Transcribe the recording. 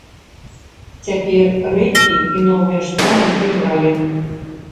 Цяпер рэйкі і новыя шпалы прыбралі.